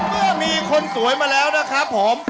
เมื่อมีคนสวยมาแล้วนะครับผม